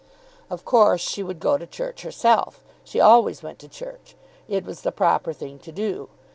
Of course she would go to church herself. She always went to church. It was the proper thing to do.